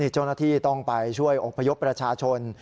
เจ้าหน้าที่ต้องไปช่วยอบพยพประชาชน